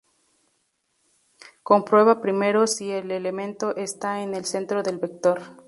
Comprueba primero si el elemento está en el centro del vector.